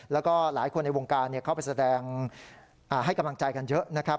แล้วก็หลายคนในวงการเข้าไปแสดงให้กำลังใจกันเยอะนะครับ